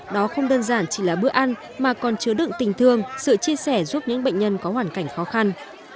đó không đơn giản chỉ là bữa ăn mà còn chứa đựng tình thương sự chia sẻ giúp những bệnh nhân có hoàn cảnh khó khăn